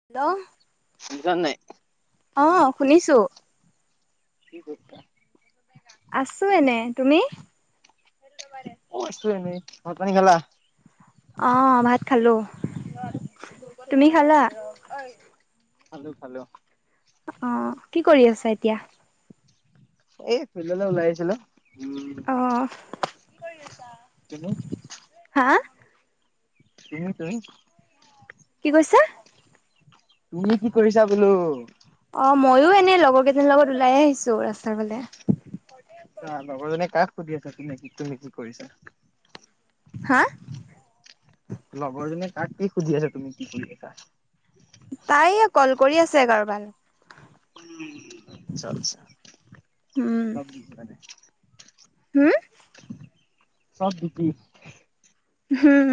[unintelligible] শুনিছা নাই? অ', শুনিছোঁ। [unintelligible] আছোঁ এনে, তুমি? মই আছোঁ এনে, ভাত পানী খালা? অ' ভাত খালোঁ, তুমি খালা? [unintelligible] অ' কি কৰি আছা এতিয়া? এই ফিল্ডলৈ ওলাই আহিছিলোঁ, উ অ' কি কৰি আছা? [unintelligible] হা? [unintelligible] কি কৈছা? তুমি কি কৰিছা বোলো? অ' মইও এনে লগৰ কেইজনীৰ লগত ওলাই আহিছোঁ ৰাস্তাৰ ফালে। অ' লগৰজনীয়ে কাক সুধি আছে তুমি কি কৰিছা? হা? লগৰজনীয়ে কাক কি সুধি আছে তুমি কি কৰিছা? তাই এ কল কৰি আছে কাৰোবাক। আচ্ছা আচ্ছা [unintelligible] হম ছব দিপি হম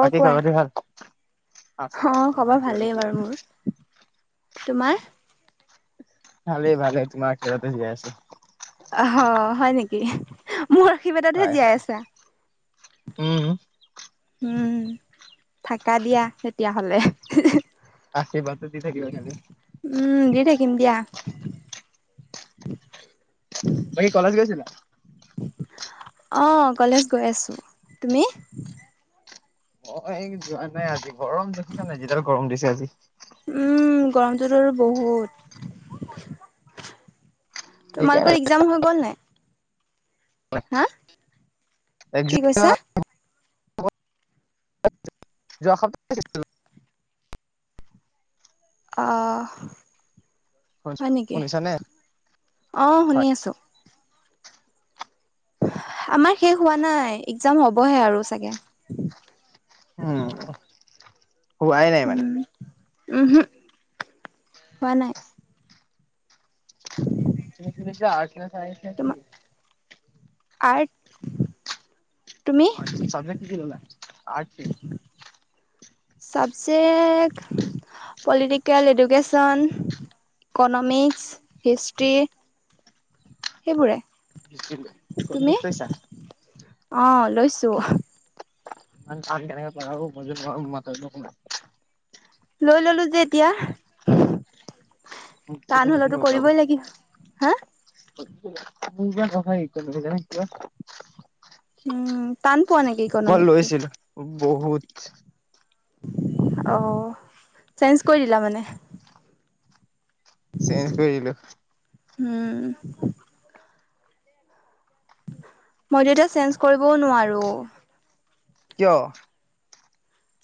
বাকী খবৰ খাতি ভাল? আছো আৰু অ' তোমাৰ খবৰ আশীৰ্বাদত ভালেই জীয়াই বাৰু আছো মোৰ, তোমাৰ? ভালেই ভালেই, তোমাৰ আৰ্শীবাদতে জীয়াই আছোঁ। [unintelligible] হয় নেকি? মোৰ আশীৰ্বাদতহে হয় জীয়াই হয় আছা। উম উম, থাকা দিয়া তেতিয়া হলে। আশীৰ্বাদটো দি থাকিবা খালি? উম, দি থাকিম দিয়া। বাকী কলেজ গৈছিলা? অ কলেজ গৈ আছো। তুমি? মই যোৱা নাই আজি। গৰম দেখিছা নাই? যিডাল গৰম দিছে আজি। উম, গৰমটোত আৰু বহুত। তোমালোকৰ সেইকাৰণে একজাম হৈ গ'ল নাই? হা, কি কৈছা? [unintelligible] [unintelligible] অঁ, সপ্তাহ হয় নেকি? শুনিছানে অঁ, শুনি হয় আছোঁ। আমাৰ শেষ হোৱা নাই, একজাম হবহে আৰু চাগে। উম। হোৱাই নাই মানে। উম, উমহো, হোৱা নাই। [unintelligible] আৰ্টছ নে চাইন্স নে তোমাৰ কি? আৰ্ট। তুমি? চাব্জেক্ট কি কি ললা? Art. Subject political, education, economics, history সেইবোৰে। হিষ্ট্ৰী তুমি? ইকনমিক্স লৈছা? অ লৈছো। [unintelligible] লৈ ললো যে এতিয়া। মোৰতো টান মেইন হলেতো হৈ গ'ল। কৰিবই লাগি। হা? [unintelligible] উম। টান পোৱা নে মই লৈছিলো বহুত। অ', চেঞ্জ কৰি দিলা মানে? চেঞ্জ কৰি দিলো। হুম। মইতো এতিয়া চেঞ্জ কৰিবও নোৱাৰো। কিয়?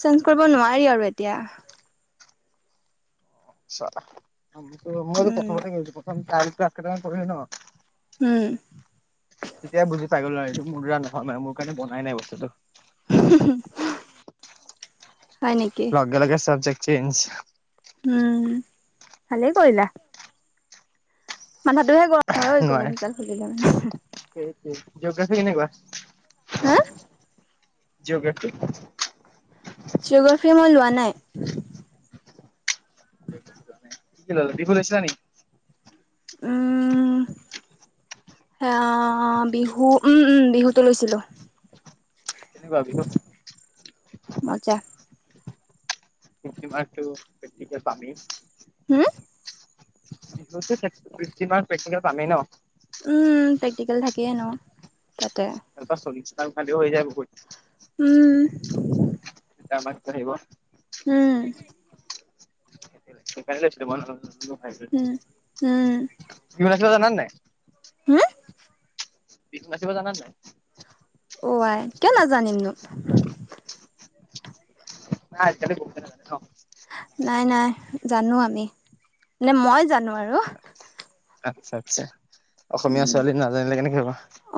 চেঞ্জ কৰিব নোৱাৰি আৰু এতিয়া। উম, [unintelligible] উম। তেতিয়া বুজি পাই গলো আৰু এইটো মোৰ দ্বাৰা নহয় মানে, মোৰ কাৰণে বনাই নাই বস্তুটো। [unintelligible] হয় নেকি? লগেলগে চাবজেকট চেঞ্জ। উম', ভালেই কৰিলা। মাথাতোহে গৰমহৈ ইকোনমিক্স ডাল খুলিলে [unintelligible] [unintelligible] জৌগ্ৰাফি কেনেকুৱা? হে? জৌগ্ৰাফী? জীঅগ্ৰাফী মই লোৱা নাই। [unintelligible] উম। এ বিহু উম উম, বিহুতে লৈছিলো। কেনেকুৱা বিহু? মজা। [unintelligible] হুম। প্ৰেক্টিকেল পামেই ন'? উম প্ৰেক্টিকেল থাকিয়ে ন' তাতে। [inaudible] উম। [unintelligible] উম। কি উম, উম। বনাইছিলে জাননে নাই? হুম বিহু নাচিব জানা নাই? অ আই কিয় নাজানিমনো। নাই আজি কালি বহুতে নাজানে ন। [unintelligible] নাই নাই জানো আমি, মানে মই জানো আৰু। আচ্ছা আচ্ছা, অসমীয়া ছোৱালী নাজানিলে কেনেকে হ'ব।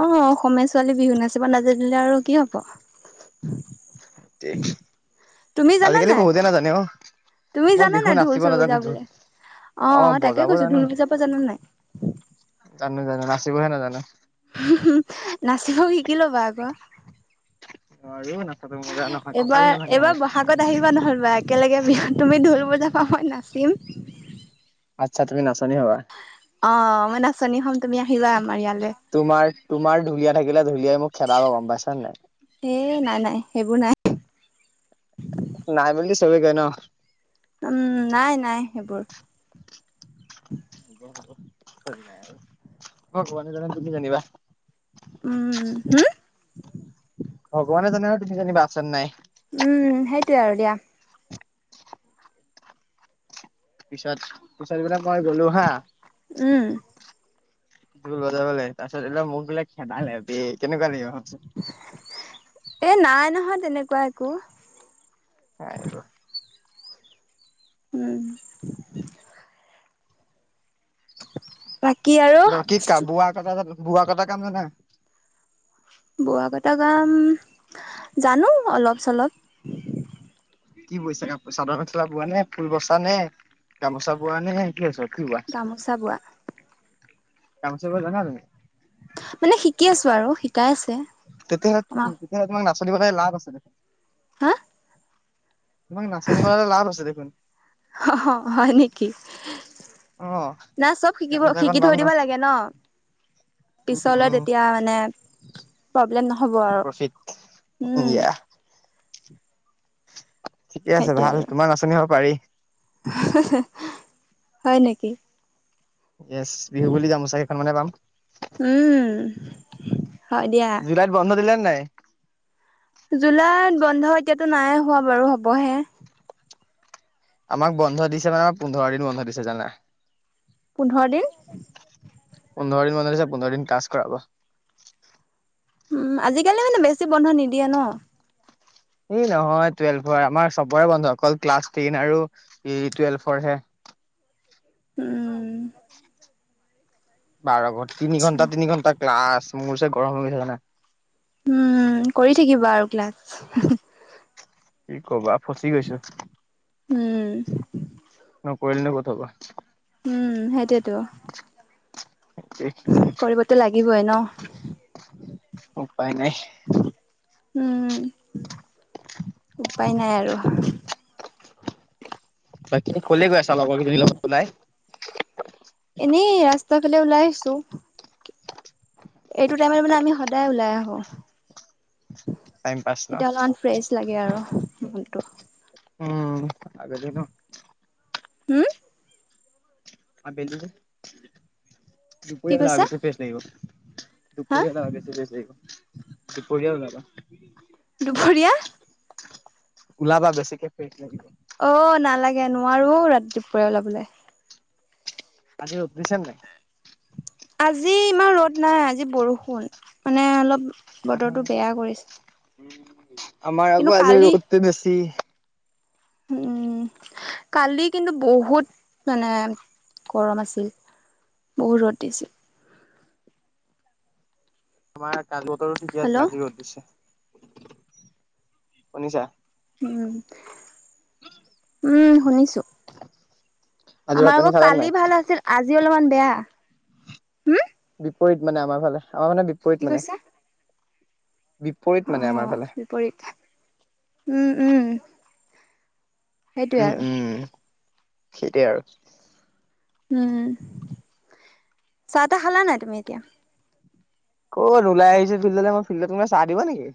অঁ, অসমীয়া ছোৱালী বিহু নাচিব নাজানিলে আৰু কি হ'ব। [unintelligible] তুমি জানা আজিকালি নাই বহুতে আকৌ, নাজানে অ তুমি মই জানা বিহু নাই ঢোল নাচিব চুল নাজানো ধুৰ। বজাবলে? অ অঁ, তাকে বজাব কৈছো জানো ঢোল বজাব জানা নাই? জানো জানো, নাচিবহে নাজানা। নাচিব শিকি ল'বা আক। নোৱাৰো নচাটো মোৰ দ্বাৰা নহয়, এইবাৰ ককালে নাভাঙে এইবাৰ মোৰ। বহাগত আহিবা নহলে একেলগে বিহুত তুমি ঢোল বজাবা মই নাচিম। আচ্ছা তুমি নাচনি হবা। অঁ মই নাচনী হম তুমি আহিবা আমাৰ ইয়ালে। তোমাৰ, তোমাৰ ঢুলীয়া থাকিলে ঢুলীয়াই মোক খেদাব গম পাইছ নে নাই। এই নাই নাই সেইবোৰ নাই। নাই বুলি চবেই কয় ন। উম নাই নাই সেইবোৰ। [inaudible] উম হুম। ভগৱানে জানে আৰু তুমি যানিবা আছে নে নাই। উম সেইটোৱে আৰু দিয়া। পিছত, পিছত সেইপিনে গলোঁ হা। উম। ঢোল বজাবলে, তাপাছত মোক বোলে খেদালে বে কেনেকুৱা লাগিব। এ নাই নহয় তেনেকুৱা একো। [inaudible] উম। বাকী আৰু [unintelligible] বোৱা কটা কাম জানা। বোৱা কটা কাম, জানো অলপ চলপ। কি বৈছা? চাদৰ মেখেলা বোৱা নে? ফুল বাচা নে? গামোচা বোৱা নে? কি গামোচা বোৱা বৈচা? [unintelligible] মানে শিকি আছো আৰু, শিকাই আছে। আমাক [unintelligible] হা। তোমাক নাচনী ললে লাভ আছে দেখোন। হ হ হয় নেকি। অ। না চব শিকিব গামোচাখন শিকি পাম থৈ দিব লাগে ন। উম পিছলৈ উম তেতিয়া মানে, প্ৰব্লেম নহ'ব আৰু। [inaudible] উম [unintelligible] ঠিকে আছে ভাল তোমাক নাচনি ল'ব পাৰি। হহ, হয় নেকি? য়েচ, বিহু বুলি গামোচা [unintelligible] উম, হয় দিয়া। জুলাইত বন্ধ দিলে নে নাই? জুলাইত বন্ধ এতিয়াতো নাইয়ে হোৱা বাৰু হ'বহে। আমাক বন্ধ দিছে মানে আমাৰ পোন্ধৰ দিন বন্ধ দিছে জানা। পোন্ধৰ দিন। পোন্ধৰ বন্ধ দিছে, পোন্ধৰ দিন ক্লাছ কৰাব। উম। আজিকালি মানে বেছি বন্ধ নিদিয়ে ন? এই নহয় টুৱেল্ভৰ আমাৰ চবৰে বন্ধুসকল ক্লাছ টেন আৰু এ টুৱেল্ভৰ হে। উম। বাৰ ঘ তিনি আচ্ছা ঘণ্টা তিনি ঘণ্টা ক্লাছ মোৰ [unintelligible] উম কৰি থাকিবা আৰু ক্লাছ। কি ক'বা, ফচি গৈছোঁ। উম। নকৰিলেনো ক'ত হ'ব? উম, সেইটোৱেইটো। [unintelligible] কৰিবতো লাগিবই ন? উপায় নাই। উম, উপায় নাই আৰু। বাকী ক'লৈ গৈ আছা? লগৰগিজনী লগত ওলাই। এনেই ৰাস্তা ফালে ওলাই আহিছোঁ। [inaudible] এইটো টাইমত মানে আমি সদায় ওলাই আহোঁ। টাইম পাছ ন তেতিয়া অলপমান ফ্ৰেচ লাগে আৰু মনটো। উম, আগতেও ন? হুম? আবেলিহে, দুপৰীয়া আবিবা, আৰু কি বেছি কৈছা ফ্ৰেচ লাগিব। দুপৰীয়া হা যাবা বেছি ফ্ৰেচ লাগিব, দুপৰীয়া উলাবা। দুপৰীয়া। ওলাবা, বেছিকে ফ্ৰেচ লাগিব। অ', নালাগে নোৱাৰো ঔ, ৰা দুপৰীয়া ওলাবলে। আজি ৰ'দ দিছেনে নাই? আজি ইমান ৰ'দ নাই। আজি বৰষুণ, মানে অলপ বতৰটো বেয়া কৰিছে। আমাৰ কিন্তু আকৌ আজি, কালি ৰ'দটো বেছি। উম, কালি কিন্তু বহুত মানে, গৰম আছিল। বহুত ৰ'দ দিছে। তোমাৰ কালি বতৰটো ঠিকে হেল্ল' আছিলে, আজি ৰ'দ দিছে, শুনিছা? উম, উম, শুনিছোঁ। আজি ভাত আমাৰ পানী আকৌ খালা কালি নাই? ভাল আছিল, আজি অলপমান বেয়া। হুম? বিপৰীত মানে আমাৰ ফালে, আমাৰ মানে কি বিপৰীত মানে। কৈছা? বিপৰীত মানে অ', আমাৰ অ', ফালে। বিপৰীত উম, উম। সেইটোৱে উম, আৰু। উম, সেইটোৱে আৰু। উম, চাহ-তাহ খালানে নাই, তুমি এতিয়া? ক'ত ওলাই আহিছোঁ ফিল্ডলে মই, ফিল্ডত তোমাক চাহ দিব নেকি?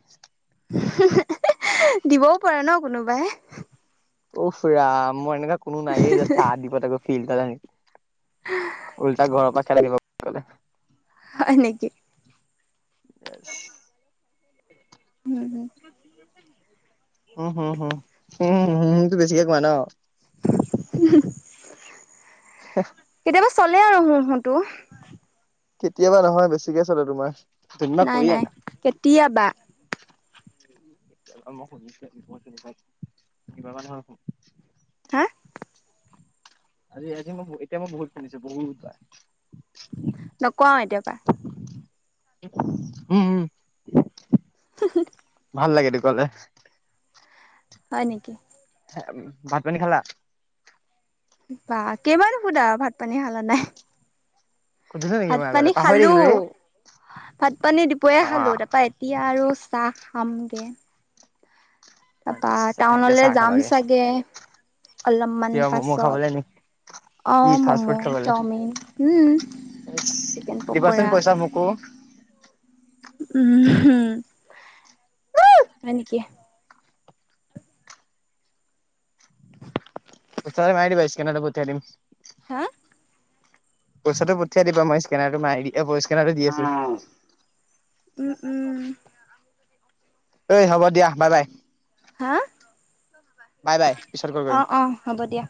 দিবও পাৰে ন, কোনোবাই। উফ ৰাম, মোৰ এনেকুৱা কোনো নাইয়েই যে, চাহ দিব তাকো ফিল্ডত আনি। উল্টা, ঘৰৰ পৰা খেদাই দিব। গ'লে। হয়, নেকি? উম, উম, [inaudible] হুম, হু, হু, হু হুমটো বেছিকে কোৱা ন? [inaudible] [inaudible] কেতিয়াবা চলে আৰু হুম, হুমটো। কেতিয়াবা নহয়, বেছিকে চলে তোমাৰ। নাই, নাই, কেতিয়াবা। [unintelligible] হা। [unintelligible] নকওঁ আৰু, এতিয়াৰ পৰা। উম। [inaudible] ভাল লাগে, এইটো ক'লে। হয়, নেকি। ভাত-পানী খালা? বা কেইবাৰ নোসুধা, ভাত-পানী খালা নাই। সুধিছো নেকি মই আগতে ভাত-পানী পাহৰি খালো, থাকিলো ৰে ভাত-পানী দুপৰীয়া খালো। তাৰপৰা এ এতিয়া আৰু চাহ খামগে। তাৰপৰা, আচ্ছা এতিয়া টাউনলৈ চাহ যাম খাবাগে চাগে, অলপমান কিয় ম'ম' পাছত। খাবলে নি কি অ', ফাষ্ট ফুড ম'ম', খাবলে চাওমিন, উম, চিকেন দিবাচোন পকৰা। পইচা মোকো উম, হুম, হয় নেকি। পইচাটো মাৰি দিবা, স্কেনাৰটো পঠিয়াই দিম। হা! পইচাটো পঠিয়া দিবা মই স্কেনাৰটো মাৰি স্কেনাৰটো দি আছোঁ। উম-উম! এই হ'ব দিয়া বাই-বাই। হা বাই-বাই পিছৰ কল অ কৰিম অ হ'ব দিয়া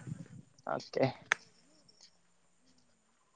অ'কে।